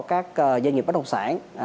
các doanh nghiệp bất đồng sản